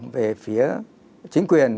về phía chính quyền